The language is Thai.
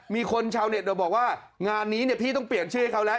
มีคนชาวเน็ตบอกว่างานนี้พี่ต้องเปลี่ยนชื่อให้เขาแล้ว